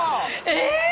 えっ！